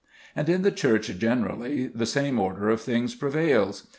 And in the Church generally the same order of things prevails.